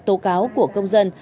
tố cáo của công dân